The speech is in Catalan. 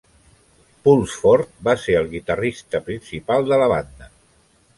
Pulsford va ser el guitarrista principal de la banda.